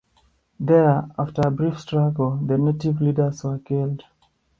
There, after a brief struggle, the native leaders were killed.